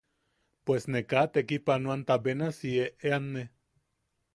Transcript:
Pues ne kaa tekipanoanta benasi eʼeanne.